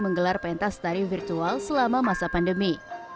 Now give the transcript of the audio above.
menggelar pentas tari virtual selama masa pandemi